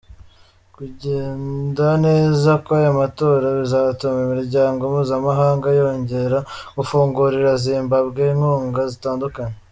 Kugenda neza kw’aya matora bizatuma imiryango mpuzamahanga yongera gufungurira Zimbabwe inkunga zitandukanye.